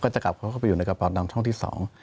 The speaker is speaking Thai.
ก็จะกลับเข้าไปอยู่ในกระเป๋าตังค์ช่องที่๒